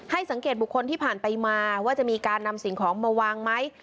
สังเกตบุคคลที่ผ่านไปมาว่าจะมีการนำสิ่งของมาวางไหม